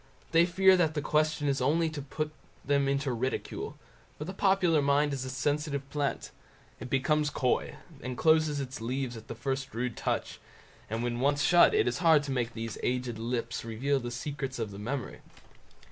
They fear that the question is only put to turn them into ridicule; for the popular mind is a sensitive plant; it becomes coy, and closes its leaves at the first rude touch; and when once shut, it is hard to make these aged lips reveal the secrets of the memory.